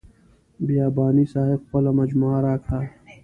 بیاباني صاحب خپله مجموعه راکړه.